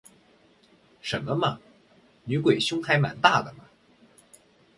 什么嘛，女鬼胸还蛮大的嘛